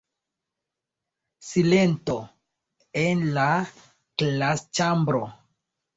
Silento en la klasĉambro.